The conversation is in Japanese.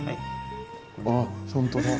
あっ本当だ。